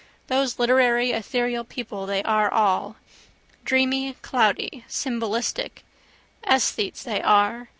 Those literary etherial people they are all. Dreamy, cloudy, symbolistic. Esthetes they are.